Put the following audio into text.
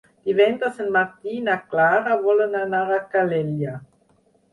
Divendres en Martí i na Clara volen anar a Calella.